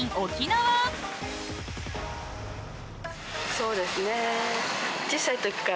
そうですね。